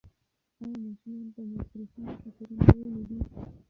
ایا ماشومانو ته مو د برېښنا د خطرونو ویلي دي؟